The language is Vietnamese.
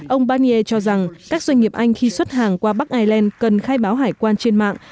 ông banier cho rằng các doanh nghiệp anh khi xuất hàng qua bắc ireland cần khai báo hải quan trên mạng